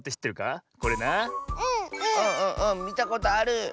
みたことある！